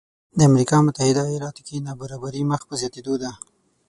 د امریکا متحده ایالاتو کې نابرابري مخ په زیاتېدو ده